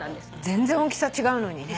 全然大きさ違うのにね。